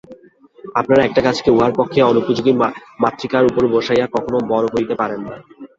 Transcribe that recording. আপনারা একটি গাছকে উহার পক্ষে অনুপযোগী মৃত্তিকার উপর বসাইয়া কখনও বড় করিতে পারেন না।